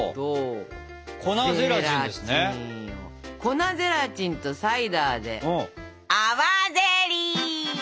粉ゼラチンとサイダーで泡ゼリー！